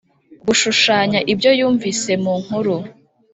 gushushanya ibyo yumvise mu nkuru.